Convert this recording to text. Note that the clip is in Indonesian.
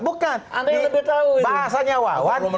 bukan bahasanya wawan